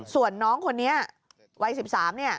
ส่วนน้องคนนี้วัย๑๓เนี่ย